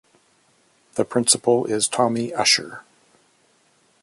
The principal is Tommy Usher.